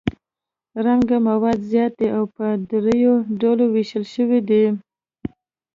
رنګه مواد زیات دي او په دریو ډولو ویشل شوي دي.